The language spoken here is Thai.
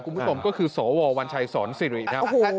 คุณผู้ชมก็คือสววัญชัยสอนสิริครับ